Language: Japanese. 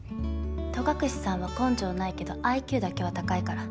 戸隠さんは根性ないけどＩＱだけは高いから。